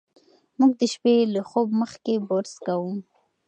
موږ د شپې له خوب مخکې برس کوو.